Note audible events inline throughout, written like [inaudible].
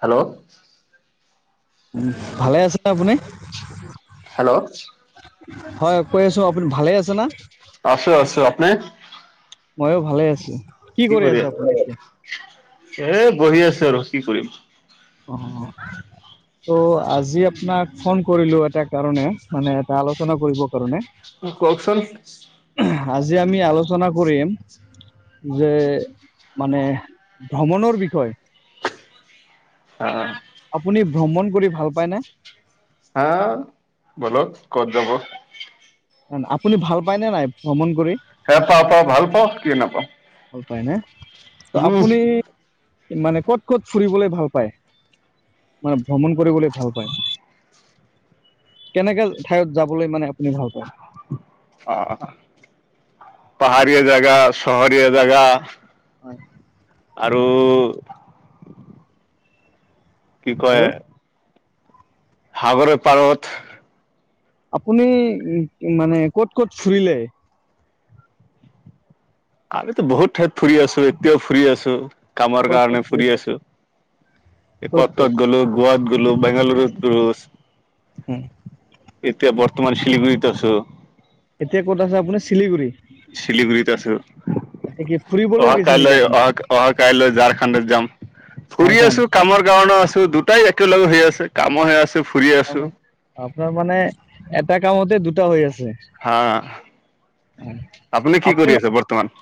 Hello উম ভালে আছে আপুনি? হেল্ল' হয় কৈ আছো আপুনি ভালে আছা না? আছো আছো, আপনি? মইও ভালে আছো। কি কৰি আছে আপোনি? এ বহি আছো আৰু কি কৰিম। অ। ত' আজি আপোনাক ফোন কৰিলো এটা কাৰণে, মানে এটা আলোচনা কৰিব কাৰণে। অ কওকচোন। আজি আমি আলোচনা কৰিম যে মানে ভ্ৰমণৰ বিষয়ে, অহ। আপুনি ভ্ৰমণ কৰি ভাল পায়নে? হা বলক ক'ত যাব। আপুনি ভাল পায়নে নাই ভ্ৰমণ কৰি? সে পা পা ভাল পাওঁ কি নাপাওঁ। হয় নে? ত উম আপুনি মানে ক'ত ক'ত ফুৰিবলৈ ভাল পায়? মানে ভ্ৰমণ কৰিবলৈ ভাল পায় কেনেকে ঠাইত যাবলৈ মানে আপুনি ভাল পায়? অ পাহৰিয়া জাগা চহৰীয়া জাগা হয় আৰু কি কয় আৰু সাগৰৰ পাৰত। আপুনি মানে ক'ত ক'ত ফুৰিলে? আমিতো বহুত ঠাইত ফুৰি আছো এতিয়াও ফুৰি আছো। কামৰ ক'ত ক'ত কাৰণে ফুৰিলে ফুৰি আছো, এ কত কত গলো গোৱাত গো বেংগালুৰু গ উম। এতিয়া বৰ্তমান শিলিগুড়ীত আছো। এতিয়া ক'ত আছে আপুনি চিলিগুৰি? শিলিগুৰিত আছো। এতিয়া কি ফুৰিবলৈ অহা গৈছে কাইল নেকি আপুনি অ-অহা কাইল ঝাৰখণ্ড যাম। ফুৰি ঝাৰখণ্ড আছো কামৰ কাৰণে আছো দুটাই একেলগে সেই আছে কামো সে আছো ফুৰি আছো। ধৰ মানে এটা কামতে দুটা হৈ আছে। হা, আপুনি কি কৰি আছে বৰ্তমান?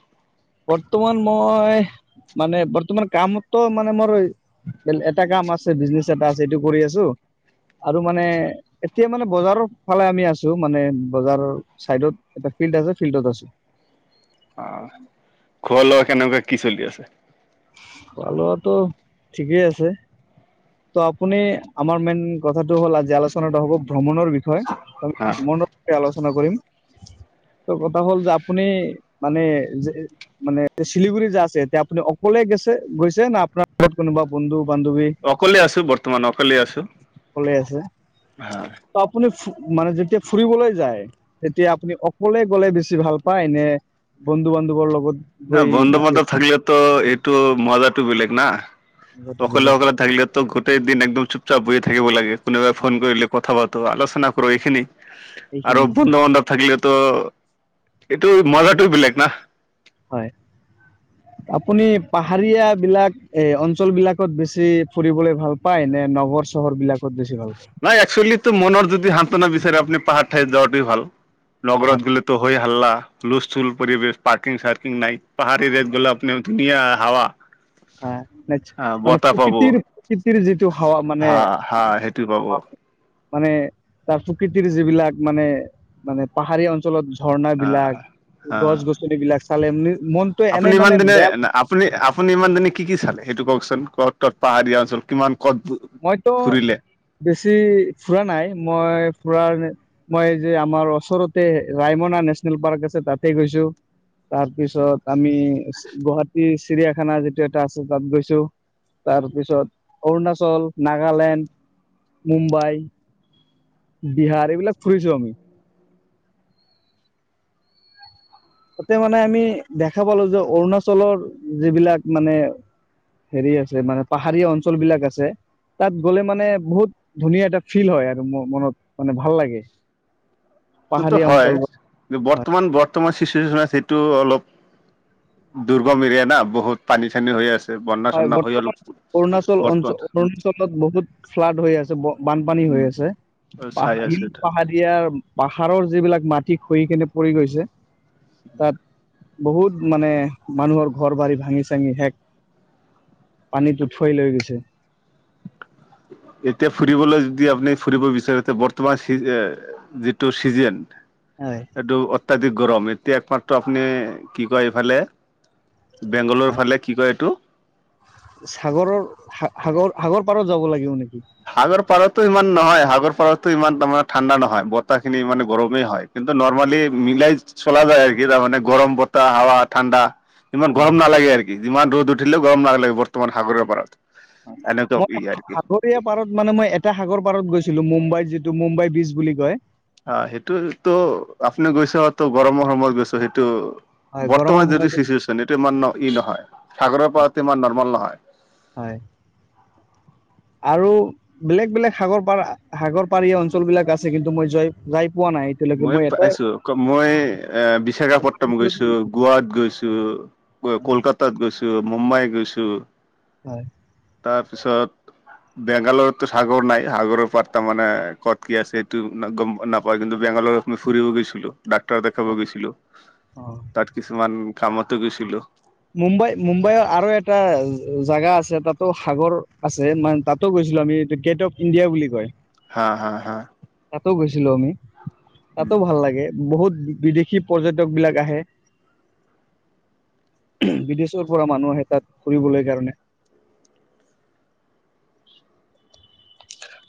বৰ্তমান মই মানে বৰ্তমান কামতো মানে মোৰ এটা কাম আছে বিজনেচ এটা আছে এইটো কৰি আছো। আৰু মানে এতিয়া মানে বজাৰৰ ফালে আমি আছো, মানে বজাৰৰ চাইডত এটা ফিল্ড আছে, ফিল্ডত আছো। অ', খোৱা লোৱা কেনেকুৱা কি চলি আছে? খোৱালোৱাটো ঠিকেই আছে। ত আপুনি আমাৰ মেইন কথাটো হ'ল আজি আলোচনাটা হব ভ্ৰমণৰ বিষয়ি, হা ভ্ৰমণৰ আলোচনা কৰিম। কথা হ'ল যে আপুনি মানে যে মানে শিলিগুৰি যে আছে এতিয়া আপুনি অকলে গেছে-গৈছে না আপোনাৰত কোনোবা বন্ধু বান্ধৱী [unintelligible] অকলে আছো বৰ্তমান অকলে আছো সক আছে [unintelligible] হা। ত আপুনি মানে যেতিয়া ফুৰিবলৈ যায় তেতিয়া আপুনি অকলে গ'লে বেছি ভাল পায় নে? বন্ধু বান্ধৱৰ লগত? না গৈ বন্ধু বেছি বন্ধৱ থাকিলেতো এইটো মজাটো বেলেগ না? কথাটো হ'লে অকলে-অকলে থাকিল তো গোটেই দিন একদম চুপচাপ হৈ থাকিব লাগে। কোনোবাই ফোন কৰিলে কথা পাতো আলোচনা কৰো এইখিনি আৰু সেইখিনি বন্ধু-বান্ধৱ থাকিলে ত' এইটো মজাটো বেলেগ না? হয়'। আপুনি পাহাৰীয়া বিলাক এ অঞ্চল বিলাকত বেছি ফুৰিবলে ভাল পায় নে নগৰ চহৰ বিলাক? নাই একচুৱেলি তটো মনৰ যদি হান্তনা বিচাৰে আপুনি পাহাৰ ঠাইত যোৱাটো ভাল পাহাৰ নগৰাৰত গুল তো হয় হাল্লা হুলথুল পৰিবেশ পাৰকিং-চাৰ্কিং নাই, পাহাৰীয়া জেগাত গলে আপুনি ধুনীয়া হাৱা। আহ', ন আহ মানে বতাহ পাব। প্ৰকৃতিৰ প্ৰকৃতিৰ যিটো হাৱা মানে নেপাব। মানে তাৰ প্ৰকৃতিৰ যিবিলাক মানে-মানে পাহাৰী অঞ্চলত ঝৰ্ণা বিলাক। অ', আপুনি এনেই ইমান মানে দিনে বেয়া আপুনি-আপুনি ইমান দিনে কি-কি চালে সেইটো কওকচোন, ক'ত-ক'ত পাহাৰীয়া অঞ্চল কিমান? ক'ত মইতো ফুৰিলে বেছি ফুৰা নাই, মই [unintelligible] মই যে আমাৰ ওচৰতে ৰায়মনা নেশচনেল পাৰ্ক আছে তাতে গৈছো। তাৰ পিছত আমি গুৱাহাটী চিৰিয়াখানা যিটো এটা আছে তাত গৈছো। তাৰপিছত অৰুণাচল, নাগালেণ্ড, মুম্বাই বিহাৰ এইবিলাক ফুৰিছো আমি। তাতে মানে আমি দেখা পালো যে অৰুণাচলৰ যিবিলাক মানে হেৰি আছে মানে পাহাৰীয়া অঞ্চল বিলাক আছে। তাত গলে মানে বহুত ধুনীয়া এটা ফিল হয় আৰু মনত মানে ভাল লাগে। ততো পাহাৰীয়া হয়', অঞ্চল বৰ্তমান-বৰ্তমান ছিজন আছে সেইটো অলপ দুৰ্গম এৰিয়া না বহুত পানী চানী হৈ আছে। বন্যা হয়', চন্যা হৈ অলপ বৰ্তমান অৰুণাচল অল বৰ্তমান অৰুণাচলত বহুত ফ্লাড হৈ আছে বানপানী। উম হৈ আছে চাই আছো পাহিল এইটো পাহাৰিয়াৰ পাহাৰৰ যিবিলাক মাটি খহি কেনে পৰি গৈছে। বহুত মানে মানুহৰ ঘৰ বাৰী ভাঙি-চাঙি শেষ। পানীত উঠুৱাই লৈ গৈছে। এতিয়া ফুৰিবলৈ যদি আপুনি ফুৰিব বিচাৰে তে বৰ্তমান যিটো চিজন হয়। এইটো অত্যাধিক গৰম, এতিয়া একমাত্ৰ আপুনি কি কয় এইফালে বেংগলৰ হয়। ফালে কি কয় এইটো? সাগৰৰ সাগৰ সাগৰ পাৰত যাব লাগিব নেকি? সাগৰ পাৰতো ইমান নহয়, সাগৰ পাৰতো ইমান তাৰমানে ঠাণ্ডা নহয়। বতাহখিনি মানে গৰমেই হয়। কিন্তু নৰ্মালি মিলাই চলা যায় আৰু কি তাৰমানে গৰম বতাহ হাৱা, ঠাণ্ডা ইমান গৰম নালাগে আৰু কি। যিমান ৰ'দ উঠিলেও গৰম নালাগে বৰ্তমান সাগৰৰ পাৰত। এনেটো কি আৰ কি। এইয়া পাৰত মানে মই এটা সাগৰ পাৰত গৈছিলো, মুম্বাইত যিটো মুম্বাই বীচ বুলি কয়। অ সেইটোতো আপুনি গৈছে, তো গৰমৰ সময়ত গৈছে। সেইটো হয় গৰমৰ বৰ্তমান যিটো সময়তো চিচুৱে্যন এইটো ইমান ই নহয়। সাগৰৰ পাৰত ইমান নৰ্মেল নহয়। হয় আৰু বেলেগ বেলেগ সাগৰ পাৰ সাগৰ পাৰীয়া অঞ্চলবিলাক আছে কিন্তু মই যোৱাই জাই মই পাইছো। মই এ বিশাখাপট্টম গৈছো, গোৱাত গৈছো। কলকাতাত গৈছো, মুম্বাই গৈছো। হয়। তাৰপিছত বেংগালৰতো চাগৰ নাই। সাগৰৰ পাত তাৰ মানে কত কি আছে এইটো গম নাপায়। কিন্তু বেংগালৰত মই ফুৰিব গৈছিলো, ডাক্তৰ দেখাব অ গৈছিলো, অ তাত কিছুমান কামতটো গৈছিলো। মুম্বাই, মুম্বাইৰ আৰু এটা জাগা আছে। তাতো সাগৰ আছে মানে তাতো গৈছো। লো আমি এইটো গেট অফ ইণ্ডিয়া বুলি কয়। হা-হা-হা। ছিলোঁ আমি। তাতো ভাল লাগে। বহুত বিদেশী পৰ্যটক বিলাক আহে। বিদেচৰ পৰা মানুহ আহে তাত ফুৰিবলৈ কাৰণে।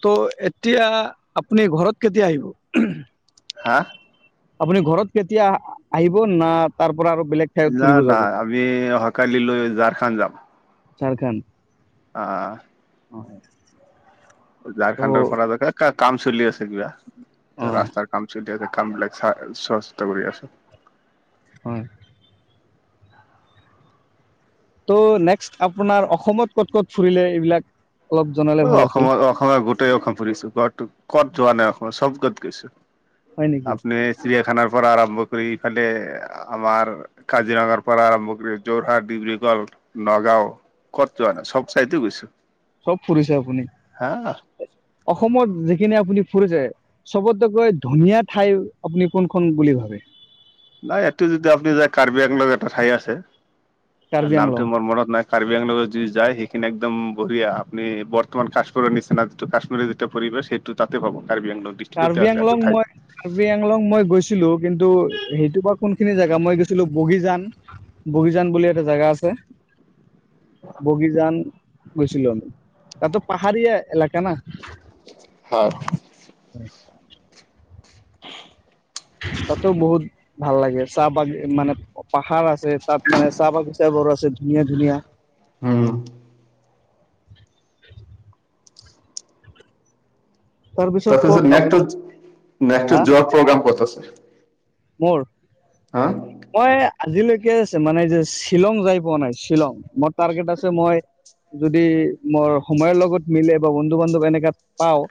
ত' এতিয়া আপুনি ঘৰত কেতিয়া আহিব? হা? আপুনি ঘৰত কেতিয়া আহিব? না তাৰ পৰা আৰু বেলেগ ঠাইত না, ফুৰিব না। যাব আমি অহাকালিলৈ ঝাৰখান যাম‌। ঝাৰখণ্ড অহ। হয়। ত' ঝাৰখণ্ডৰ পৰা কাম চলি আছে কিবা অ ৰাস্তাৰ কাম চল কামবিলাক চ চোৱা চিতা কৰি আছোঁ। হু। ত' নেক্সট আপোনাৰ অসমত ক'ত ক'ত ফুৰিলে এইবিলাক অলপ জনালে অ ভাল আছিল অসমত অসমৰ গোটেই অসম ফুৰিছো। কত ক'ত যোৱা নাই অসমৰ? চবত গৈছোঁ। হয় নেকি আপুনি চিৰিয়াখানাৰ পৰা আৰম্ভ কৰি ইফালে আমাৰ কাজিৰঙাৰ পৰা আৰম্ভ কৰি যোৰহাট, ডিব্ৰুগড়, নগাঁও, ক'ত যোৱা নাই? চব চাইতো গৈছো। চব ফুৰিছে আপুনি? হা অসমত যিখিনি আপুনি ফুৰিছে চবতকৈ ধুনীয়া ঠাই আপুনি কোনখন বুলি ভাবে? নাই এইটো যদি আপুনি যায় কাৰ্বি আংলং এটা ঠাই আছে। কাৰ্বি নামটো আংলং মোৰ মনত নাই কাৰ্বি আংলত যদি যায় সেই কিনে একদম বঢ়িয়া। আপনি বৰ্তমান কাশ্মীৰৰ নিচিনা যিটো কাশ্মীৰৰ যিটো পৰিৱেচ সেইটো তাতে পাব। কাৰ্বি আংলং ডিষ্ট্ৰিক্টতে কাৰ্বি আছে এটা আংলং ঠাইত। মই কাৰ্বি আংলং মই গৈছিলো, কিন্তু সেইটোৰ বা কোনখিনি জেগা? মই গৈছিলো বগীজান, বগীজান বুলি এটা জেগা আছে। বগীজান গৈছিলোঁ আমি। তাটো পাহাৰীয়া এলেকা না। হয় উম তাতো বহুত ভাল লাগে, চাহ-বাগ মানে পাহাৰ আছে। তাত মানে, চাহ বাগিচা বোৰ আছে ধুনীয়া- ধুনীয়া। উম [inaudible] কওক তাৰপিছত নেক্সটো, আপোন হা নেক্সটো যোৱাৰ প্ৰগ্ৰাম ক'ত আছে? মোৰ, হা মই আজিলৈকে আছে, মানে যে শ্বিলং যাই পোৱা নাই, শ্বিলং মোৰ টাৰ্গেট আছে, মই যদি মই সময়ৰ লগত মিলে বা বন্ধু বান্ধৱ এনেকে পাওঁ,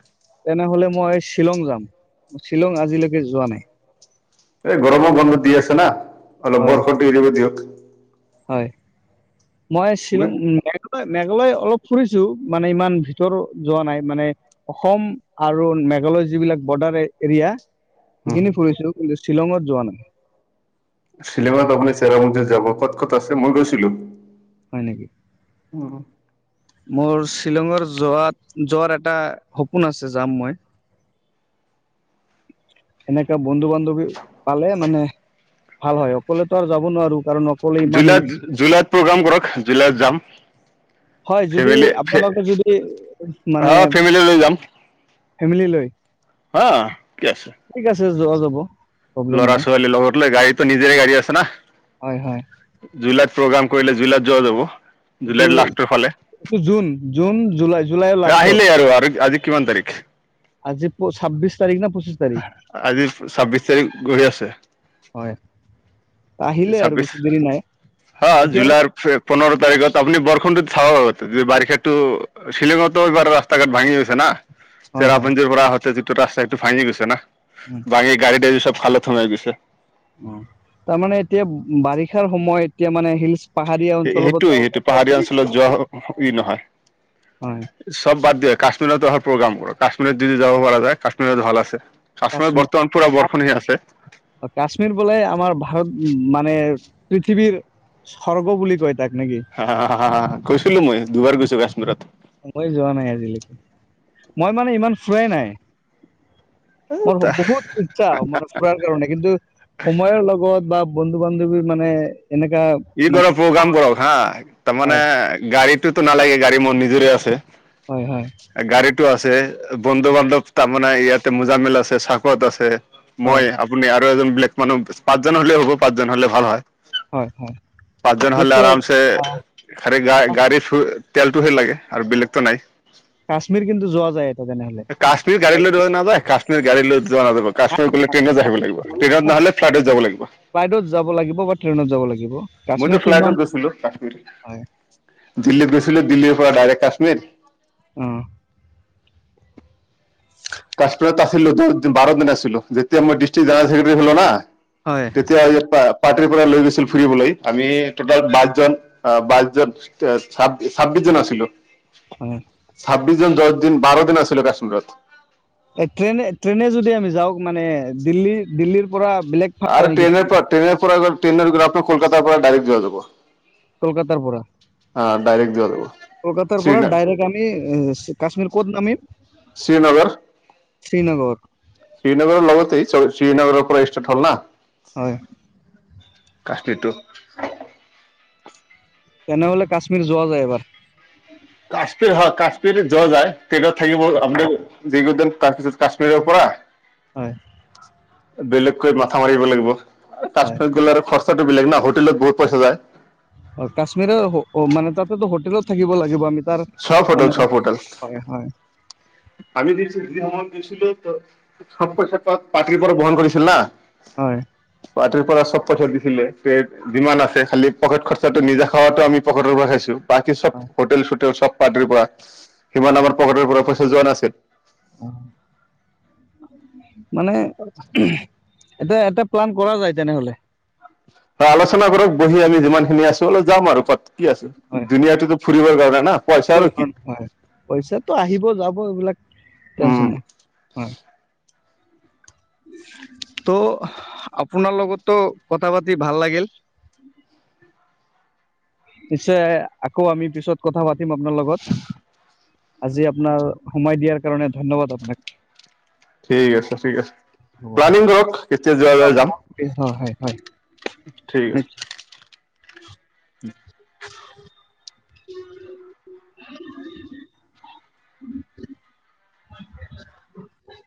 তেনেহলে মই শ্বিলং যাম, শ্বিলং আজিলৈকে যোৱা নাই। এই গৰমৰ বন্ধ দি আছে না, অলপ হয় বৰষুণটো এৰিব দিয়ক। হয়, মই শ্বিলং, উম মেঘালয় অলপ ফুৰিছো, মানে ইমান ভিতৰো যোৱা নাই, মানে অসম আৰু মেঘালয় যিবিলাক বৰ্ডাৰ এৰিয়া উম, সেইখিনি ফুৰিছোঁ, কিন্তু শ্বিলঙত যোৱা নাই। শ্বিলঙত আপুনি চেৰাপুঞ্জী যাব, ক'ত ক'ত আছে? মই গৈছিলোঁ। হয় নেকি, মোৰ শ্বিলঙৰ যোৱাত, যোৱাৰ এটা সপোন আছে, যাম মই। সেনেকা বন্ধু -বান্ধৱী পালে মানে ভাল হয়, অকলেতো আৰু যাব নোৱাৰো। কাৰণ অকলে ইমান হিলচ জুলাইত-জুলাইত প্ৰগ্ৰেম কৰক জুলাইত যাম। হয় যদি ফেমিলি, আপোনালোকে যদি মানে আহ ফেমিলি লৈ যাম। ফেমিলি লৈ? হা, কি আছে? ঠিক যোৱা যাব। প্ৰব্লেম ল'ৰা- নাই ছোৱালীৰ লগত লৈ, গাড়ীতো নিজৰে গাড়ী আছে না। হয় হয় জুলাইত প্ৰগ্ৰাম কৰিলে জুলাইত যোৱা যাব, এইটো জুলাইত লাষ্টৰ ফালে এইটো জুন-জুন, জুলাই, জুলাইৰ এ লাষ্টত আহিলেই আৰু আৰু আজি কিমান তাৰিখ আজি ছাব্বিশ তাৰিখ না পঁচিশ তাৰিখ আজি ছাব্বিশ তাৰিখ গৈ আছে। হয় আহিলে আৰু ছাব্বিশ, বেছি দেৰি নাই হা এতিয়াৰ পৰা জুলাই পোন্ধৰ তাৰিখত আপনি বৰষুণটো চাব, বাৰিষাতো শ্বিলঙতো এইবাৰ ৰাস্তা-ঘাট ভাঙি গৈছে না। হয় হয় চেৰাপুঞ্জিৰ পৰা আহোতে যিটো ৰাস্তা সেইটো ভাঙি গৈছে না, ভাঙি গাড়ী-দেৰি চব খালত সোমাই গৈছে। তাৰমানে এতিয়া বাৰিষাৰ সময়, এতিয়া মানে হিলচ পাহাৰীয়া অঞ্চলত যাওঁতে সেইটোৱে-সেইটো পাহাৰীয়া অঞ্চলত যোৱা ই হয় নহয়। চব বাদ দিয়ক, কাশ্মীৰত অহাৰ প্ৰগ্ৰাম কৰক, কাশ্মীৰত যদি যাব পৰা যায় কাশ্মীৰত ভাল আছে। কাশ্মীৰত বৰ্তমান পুৰা বৰষুণ হৈ আছে কাশ্মীৰ-কাশ্মীৰ বোলে আমাৰ ভাৰত উম, মানে পৃথিৱীৰ স্বৰ্গ বুলি কয়। তাক নেকি হা-হা, গৈছিলো মই, দুবাৰ গৈছো কাশ্মীৰত। মই যোৱা নাই আজিলৈকে। মই মানে ইমান ফুৰাই নাই। মোৰ বহুত ইচ্ছা মানে ফুৰাৰ কাৰণে, কিন্তু সময়ৰ লগত বা বন্ধু-বান্ধৱী মানে এনেকা ই মানে কৰ প্ৰগ্ৰাম কৰক হা, তাৰমানে হয় গাড়ীতোটো নালাগে, গাড়ী মোৰ নিজৰে আছে। হয়-হয় টো আছে, বন্ধু-বান্ধৱ তাৰমানে ইয়াতে মোজামিলা আছে, চাকত আছে। হয় মই, আপুনি আৰু এজন বেলেগ মানুহ পাঁচজন হ'লে হ'ব, পাঁচজন হলে ভাল হয়। হয়-হয় পাঁচজন হ'লে আৰামছে, খালি‌ গা-গাড়ী তেলটোহে লাগে আৰু বেলেগতো নাই। কাশ্মীৰ কিন্তু যোৱা যায় এটা তেনেহলে কাশ্মীৰ গাড়ী লৈ নাযায়, কাশ্মীৰ গাড়ী লৈ যোৱা হয়‌ যাব, কাশ্মীৰ গ'লে ট্ৰেইনত আহিব লাগিব, ট্ৰেইনত নহ'লে ফ্লাইটত যাব লাগিব। ফ্লাইটত যাব লাগিব বা ট্ৰেইনত যাব লাগিব। মই ত কাশ্মীৰটো ইমান ফ্লাইটত গৈছিলো কশ্মীৰ হয় দিল্লীত গৈছিলো দিল্লী। দেল্লী পৰা ডাইৰেক্ট কাশ্মীৰ অহ। কাশ্মীৰত আছিলো দচ দিন বাৰ দিন আছিলোঁ যেতিয়া মোৰ ডিষ্ট্ৰিক্ জেনেৰেলক্ৰেটাৰী হল না। হয় তেতিয়া ই প [inaudible] পাৰ্টিৰ পৰা লৈ গৈছিল ফুৰিবলৈ আমি টোটেল বাইচজন বাইচজন ছাব্বিছ বিশজন আছিলো। হয়। ছাব্বিছজন দহ‌ দিন বাৰ দিন আছিলো কাশ্মীৰত। এ ট্ৰেইনে ট্ৰেইনে যদি আমি যাওঁক মানে দিল্লী দিল্লীৰ পৰা বেলেগ ফালে আৰু নেকি ট্ৰেইন পৰা ট্ৰেইন পৰা্ৰেই আপনি কলকাতাৰ পৰা ডাইৰেক্ট যোৱা যাব। কলকাতাৰ পৰা? ডাইৰেক্ট যোৱা যাব কলকাতাৰ পৰা শ্ৰীনগৰ ডাইৰেক্ট আমি কাশ্মীৰ ক'ত নামিম? শ্ৰীনগৰ। শ্ৰীনগৰ? শ্ৰীনগৰৰ লগতে শ্ৰীনগৰৰ পৰা ষ্টাৰ্ট হ'ল না হয়। কাশ্মীটো। তেনেহলে কাশ্মীৰ যোৱা যায় এবাৰ। কাশ্মীৰ হয় কাশ্মীৰ যোৱা যায় ট্ৰেইন ত থাকিব [unintelligible] আপ যদ তাৰপিছত কাশ্মীৰৰ পৰা হয়। বেলেগকৈ মাথা মাৰিব লাগিব তাচ পাছ গ'লে আৰু খৰচ খৰচতো বেলেগ ন হোটেলত বহুত পইচা যায় অ কাশ্মীৰৰ মানে তাতেতো হোটেলত থাকিব লাগিব আমি। তাৰ চব হোটেল মানে চব হোটেল হয় হয়। আমি দিছো গছিলো চ পইচা পাটিৰ পৰা বহন কৰিছিল না। হয় পাৰ্টিৰ পৰা চব দিছিলে যিমান আছে খালি পকেট খৰচাটো নিজা খোৱাটো আমি পকেটৰ পৰা খাইছো। বাকী চব হোটেল চোটেল চব পাৰ্টিৰ পৰা সিমান আমাৰ পকেটৰ পৰা পইচা যোৱা নাছিল। মানে এতিয়া এটা প্লান কৰা যায় তেনেহলে? হয় আলোচনা কৰক বহি আমি যিমান খিনি আছো অলপ যাম আৰু ক'ত কি আছো দুনীয়াটোতো ফুৰিবৰ কাৰণে না। পইচা আৰু কি পইচা তো আহিব যাব এইবিলাক উম টেনচন নাই। হয়। [inaudible] তো আপোনাৰ লগতো কথা পাতি ভাল লাগিল। নিশ্চয় আকৌ আমি পিছত কথা পাতিম আপোনাৰ লগত। আজি আপোনাৰ সময় দিয়াৰ কাৰণ ধন্যবাদ আপোনাক। ঠিক আছে ঠিক আছে। প্লানিং কৰক কেতিয়া যোৱা যায় যাম হয় হয় হয়। ঠিক আছে। [unintelligible] [unintelligible] [unintelligible]